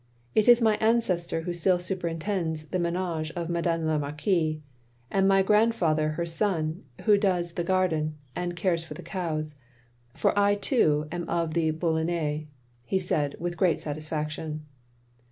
It is my ancestor who still superintends the m6nage of Madame la Marquise, and my grand father her son, who does the gardto — ^and cares for the cows. For I too am of the Boulonnais, " he said with great satisfaction.